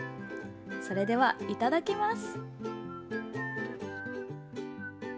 それでは、いただきます！